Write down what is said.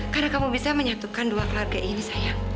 karena kamu bisa menyatukan dua keluarga ini sayang